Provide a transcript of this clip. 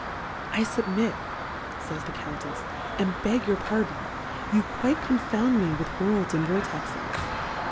I {ubmky fays the Count efs^ and beg your Pardon : You quite confound me with Worlds and Vortexes.